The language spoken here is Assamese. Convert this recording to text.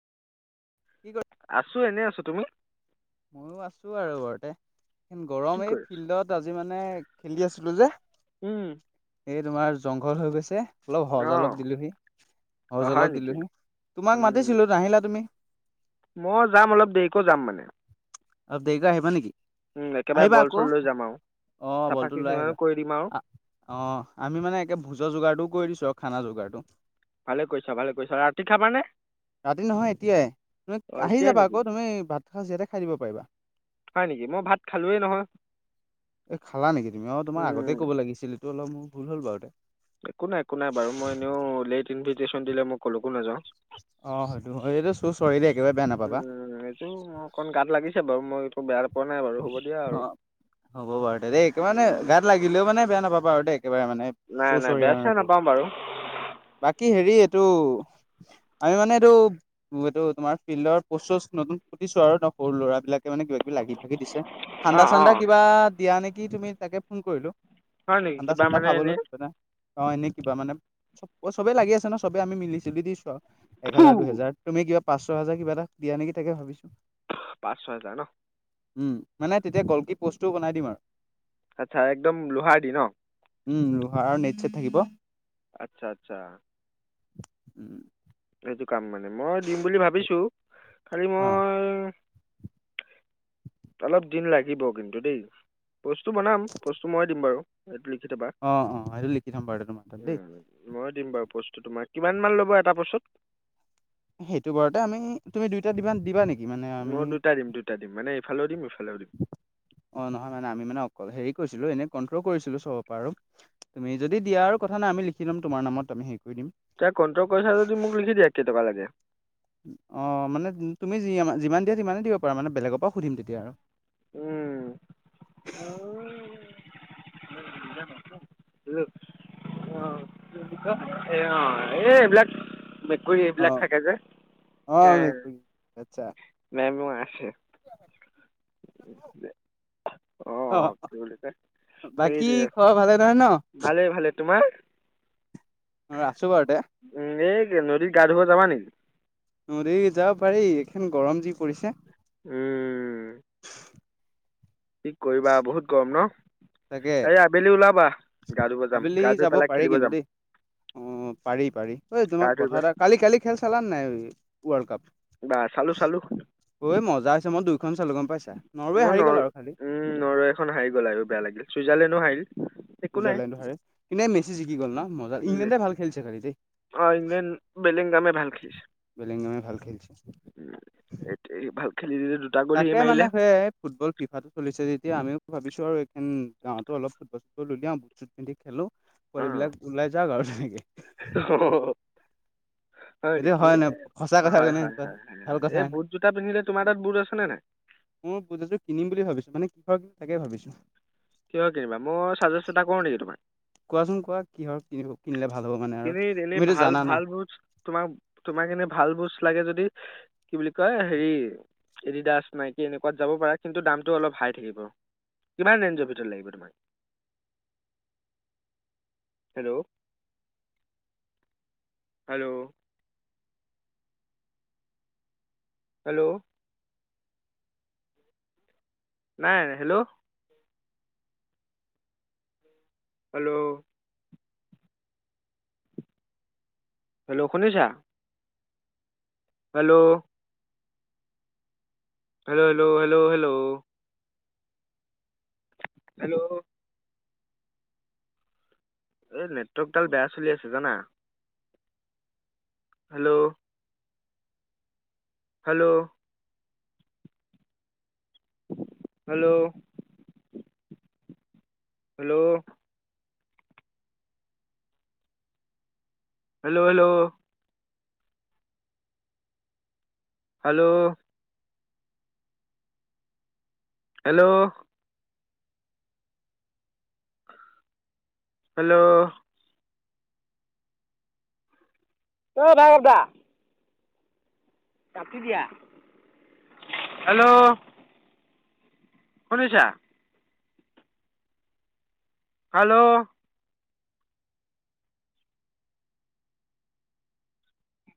[inaudible] আছোঁ, এনেই আছোঁ তুমি। মইয়ো আছো আৰু ঘৰতে। কি গৰম এই কৰি আছা ফিল্ডত আজি মানে খেলি আছিলো যে। এই তোমাৰ জংঘল হৈ গৈছে। অলপ হজ অঁ অলপ দি ল'বি, অঁ হজ হয় অলপ দি নেকি ল'বি, তোমাক উম মাতিছিলো নাহিলা তুমি। মই যাম অলপ দেৰিকৈ যাম মানে। অলপ দেৰিকৈ আহিবা নেকি। উম একেবাৰে আহিবা বল আকৌ, চল লৈ যাম আৰু অ', চাফা বলটো লৈ চিকুণো আহিবা, কৰি দিম আৰু আ অ', আমি মানে একে ভোজৰ যোগাৰটোও কৰি দিছো আৰু খানা যোগাৰটো। ভালে কৰিছা- ভালে কৰিছা, ৰাতি খাবা নে। ৰাতি নহয় এতিয়াই, তুমি আহি এতিয়াই যাবা নেকি আকৌ তুমি ভাত সাজ ইয়াতে খাই দিব পাৰিবা। হয় নেকি, মই ভাত খালোৱে নহয়। এ খালা নেকি তুমি, অ', তোমাৰ আগতে উম ক'ব লাগিছিল, এইটো অলপ মোৰ ভুল হল বাৰু তে। একো নাই- একো নাই বাৰু মই এনেও লেট ইনভিটেশ্যন দিলে মই ক'লকো নাযাওঁ। অ', হয়টো, এইটো চ' চৰি দেই একেবাৰে বেয়া নাপাবা। ত' মো অকণ গাত লাগিছে বাৰু, মই এইটো বেয়া না অ', হ'ব বাৰু দেই, এইটো মানে উম, গাত লাগি দিলেও মানে বেয়া নাপাবা আৰু দেই, একেবাৰে মানে, নাই চ' নাই চৰি বেয়া আৰু চেয়া এইটো। নাপাওঁ বাৰু বাকী হেৰি এইটো, আমি মানে এইটো এইটো তোমাৰ ফিল্ডৰ পোষ্ট চ'স্ত নতুন খোটিছো আৰু ন, সৰু ল'ৰাবিলাকে মানে কিবা কিবি লাগি লাগি দিছে, ঠাণ্ডা অঁ অঁ চাণ্ডা কিবা দিয়া নেকি তুমি তাকে ফোন কৰিলো। হয় নেকি ঠাণ্ডা কিবা চাণ্ডা মানে খাবলৈ এনেই [unintelligible] অ', এনে কিবা মানে চব চবেই লাগি আছে ন, চবেই আমি মিলি জুলি দিছো আও। এক হেজাৰ ফু দুহেজাৰ, তুমি কিবা পাঁচ ছয় হাজাৰ কিবা এটা দিয়া নেকি তাকে ভাবিছোঁ। পাঁচ ছয় হাজাৰ ন। উম, মানে তেতিয়া গলকি পোষ্টটোও বনাই দিম আৰু। আচ্ছা একদম লোহাৰ দি ন। উম, লোহাৰৰ নেট ছেট থাকিব। আচ্ছা-আচ্ছা। উম এইটো কাম মানে, মই দিম বুলি ভাবিছো, খালি অ মই অলপ দিন লাগিব কিন্তু দেই। বস্তু বনাম, বস্তু মই দিম বাৰু, এইটো লিখি থ'বা। অ', অ', এইটো লিখি থ'ম বাৰু তোমাৰ তাত দেই। উম, মই দিম বাৰু প'ষ্টটো তোমাৰ, কিমান মান ল'ব এটা প'স্তত। সেইটো বাৰতে আমি, তুমি দুইটা দিবা-দিবা নি। মই দুইটা দিম-দুইটা দিম, মানে এইফালেও দিম সেইফালেও দিম। অ', নহয় মানে আমি মানে অকল হেৰি কৰিছিলো এনেই কণ্ট্ৰ কৰিছিলো চবৰ পৰা আৰু। তুমি যদি দিয়া আৰু কথা নাই, আমি লিখি ল'ম তোমাৰ নামত, আমি হেৰি কৰি দিম। তে কণ্ট্ৰ কৰিছা যদি মোক লিখি দিয়া কেই টকা লাগে। অ', মানে তুমি যি যিমান দিয়া সিমানেই দিব পাৰা মানে, বেলেগৰ পৰা সুধিম তেতিয়া আৰু। উম। [unintelligible] [unintelligible] [unintelligible] এ এইবিলাক মেকুৰী এইবিলাক অঁ থাকে যে। অঁ এ মেকুৰী আচ্ছা মেমোআই আছে। [unintelligible] অ অঁ কি [unintelligible] বুলি কয় বাকী খবৰ ভালে নহয় ন? ভালে, ভালে, তোমাৰ? অ', আছো বাৰুতে। উম, এই যে নদীত গা ধুব যাবা নি? নদীত যাব পাৰি। এইখন গৰম যি পৰিছে। উম। কি কৰিবা বহুত গৰম ন? তাকে আবেলি ওলাবা। গা ধুব যাম, আবেলি গা ধুই যাব পেলাই পাৰি খেলিব কিন্তু যাম। দেই অ, পাৰি, পাৰি। ঐ গা তোমাক ধুই কথা এটা, পেলাই কালি- কালি খেল চালা নাই ৱৰ্ল্ড কাপ? বা চালো, চালো। ঐ মজা হৈছে। মই দুইখন চালো গম পাইছা। নৰৱে মই হাৰি গ'ল নৰ আৰু খালি উম, নৰৱেখন হাৰি গ'ল আৰু বেয়া লাগিল। চুইজাৰলেণ্ডো হাৰিল। একো নাই ছুইজাৰলেণ্ডো হাৰিল। কিন্ত এই মেচি জিকি গ'ল ন? মজা, ইংলেণ্ডে ভাল খেলিছে খালি দেই। অঁ ইংলেণ্ড বেলিংগামে ভাল খেলিছে [unintelligible] ভাল খেলছে। সেই [unintelligible] ভাল খেলি দিলে তো তাকে মানে সেইট ফুটবল ফিফাটো চলিছে যেতিয়া আমিও ভাবিছো আৰু এইখন গাঁৱতো অলপ ফুটবল-চুটবল উলিয়াম। [unintelligible] পিন্ধি খেলো। অ পোৱালিবিলাক ওলাই যাওঁক আৰু তেনেকে। [unintelligible] হয় এইটো নেকি? নাই সঁচা কথা হয়, কোৱানে হয়, কোৱাচোন হয়, হয়, ভাল হয়। কথা এই নাই? বুট জোতা পিন্ধিলে তোমাৰ তাত বুট আছেনে নাই? মই বুটজোতাটো কিনিম বুলি ভাবিছো। মানে কিহৰ কিনো তাকে ভাবিছো। কিহৰ কিনিবা? মই চাজেষ্ট এটা কৰোঁ নেকি তোমাক? কোৱাচোন কোৱা। কিহৰ কিনিব কিনিলে ভাল হ'ব মানে আৰু তুমি এনেই তুমিতো ভাল জানা ভাল না। বুটছ তোমাক তোমাক এনেই ভাল [unintelligible] লাগে যদি কি বুলি কয় হেৰি এডিদাছ, নাইকী এনেকুৱাত যাব পাৰা, কিন্তু দামটো অলপ হাই থাকিব। কিমান ৰেঞ্জৰ ভিতৰত লাগিব তোমাক? হেল্ল'। হেল্ল'। হেল্ল'। নাই, হেল্ল'। হেল্ল'। হেল্ল' শুনিছা? Hello. Hello hello hello hello. Hello. এই নেটৱৰ্কডাল বেয়া চলি আছে জানা। Hello. Hello. Hello. Hello. Hello hello. Hello. Hello. Hello. অ', [unintelligible] দা। কাটি দিয়া, হেল্ল'। শুনিছা। হেল্ল'।